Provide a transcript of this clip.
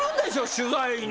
取材に。